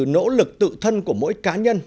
nỗ lực tự thân của mỗi cá nhân